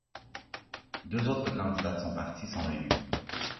Deux autres candidats de son parti sont élus.